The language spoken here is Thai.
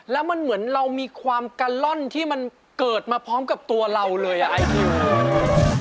แล้วมันเหมือนเรามีความกะล่อนที่มันเกิดมาพร้อมกับตัวเราเลยอ่ะไอดิว